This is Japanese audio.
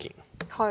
はい。